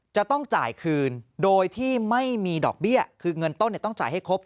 จะต้องจ่ายคืนโดยที่ไม่มีดอกเบี้ยคือเงินต้นต้องจ่ายให้ครบ